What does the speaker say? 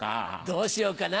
どうしようかな？